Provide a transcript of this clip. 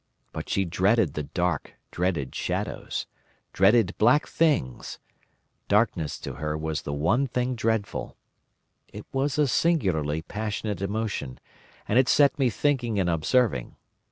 But she dreaded the dark, dreaded shadows, dreaded black things. Darkness to her was the one thing dreadful. It was a singularly passionate emotion, and it set me thinking and observing.